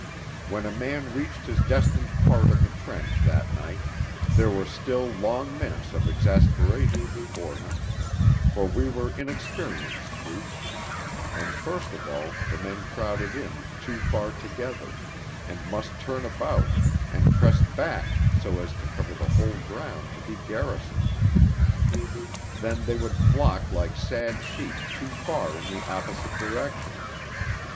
When a man reached his destined part of the trench that night there were still long minutes of exasperation before him; for we were inexperienced troops, and first of all the men crowded in too far together, and must turn about, and press back so as to cover the whole ground to be garrisoned; then they would flock like sad sheep too far in the opposite direction.